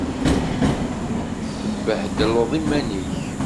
Tebbhedleḍ iman-ik.